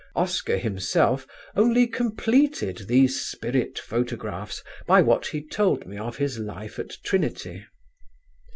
Oscar himself only completed these spirit photographs by what he told me of his life at Trinity.